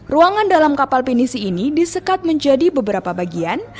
ruangan dalam kapal penisi ini disekat menjadi beberapa bagian